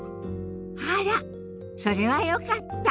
あらそれはよかった。